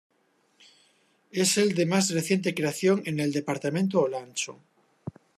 Es el de más reciente creación en el departamento Olancho.